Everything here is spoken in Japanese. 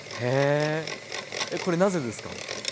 へえこれなぜですか？